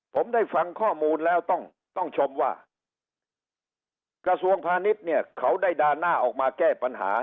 ผมได้ฟังข้อมูลแล้วต้องชมว่ากระทรวงพาณิชย์เนี่ยเขาได้ด่าหน้าออกมาแก้ปัญหา